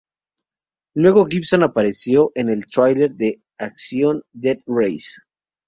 Luego, Gibson apareció en el thriller de acción "Death Race".